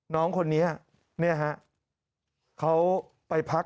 น้องเสียแล้วลูก